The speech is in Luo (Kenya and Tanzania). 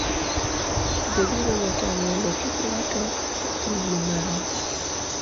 beduru motang' mondo kik ng'ato timnu marach.